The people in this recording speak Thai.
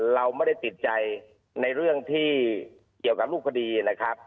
เราไม่ได้ติดใจในเรื่องที่เกี่ยวกับรูปคดีนะครับ